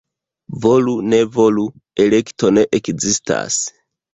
Volu-ne-volu — elekto ne ekzistas.